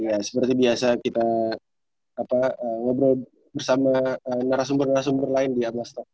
ya seperti biasa kita ngobrol bersama narasumber narasumber lain di atlas talk